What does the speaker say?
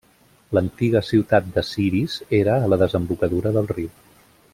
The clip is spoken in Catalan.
L'antiga ciutat de Siris era a la desembocadura del riu.